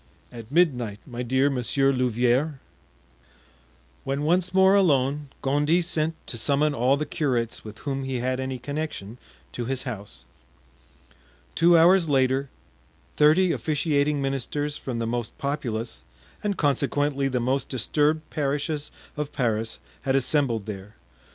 "At midnight, my dear Monsieur Louvieres." When once more alone Gondy sent to summon all the curates with whom he had any connection to his house. Two hours later, thirty officiating ministers from the most populous, and consequently the most disturbed parishes of Paris had assembled there.